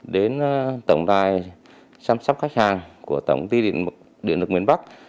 với tổng đài chăm sóc khách hàng của tổng ty điện lực nguyên bắc